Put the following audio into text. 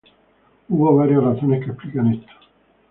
Hubo varias razones que explican esto.